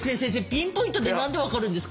ピンポイントで何で分かるんですか？